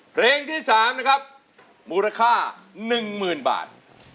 เพลงที่สามนะครับมูลค่าหนึ่งหมื่นบาท